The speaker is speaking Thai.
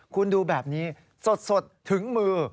คุณดูแบบนี้สดถึงมือ